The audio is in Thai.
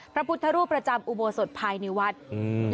พระพุทธรูปประจำอุโบสถภายในวัดอืม